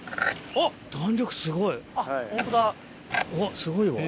あっすごいわ。